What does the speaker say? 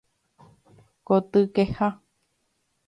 Kotykeha